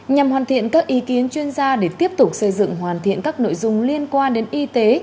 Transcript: nhằm hoàn thiện các ý kiến chuyên gia để tiếp tục xây dựng hoàn thiện các nội dung liên quan đến y tế